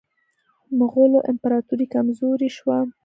مغولو امپراطوري کمزورې شوه.